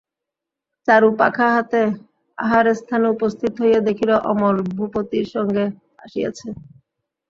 চারু পাখা হাতে আহারস্থানে উপস্থিত হইয়া দেখিল, অমল ভূপতির সঙ্গে আসিয়াছে।